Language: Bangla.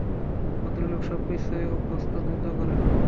ভদ্রলোক সব কিছুই অত্যন্ত দ্রুত করেন।